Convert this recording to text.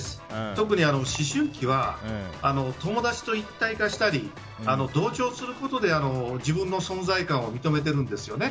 特に思春期は友達と一体化したり同調することで自分の存在感を認めているんですよね。